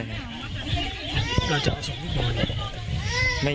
เราจะเอาศพลูกมาไหน